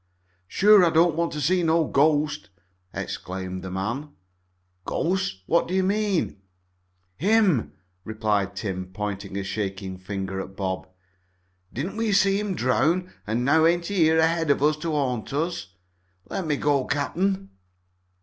"Sure I don't want to meet no ghost!" exclaimed the man. "Ghost? What do you mean?" "Him," replied Tim, pointing a shaking finger at Bob. "Didn't we see him drown, an' now ain't he here ahead of us to haunt us? Let me go, cap'n."